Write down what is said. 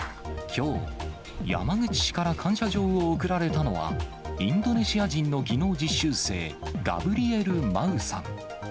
きょう、山口市から感謝状を贈られたのは、インドネシア人の技能実習生、ガブリエル・マウさん。